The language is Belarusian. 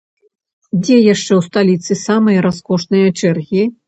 Дзе яшчэ ў сталіцы самыя раскошныя чэргі?